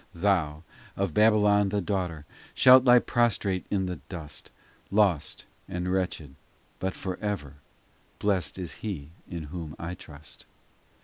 XIV Thou, of Babylon the daughter, Shalt lie prostrate in the dust, Lost and wretched : but for ever Blest is He in Whom I trust.